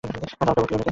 তাও কেবল পিয়ানোতে!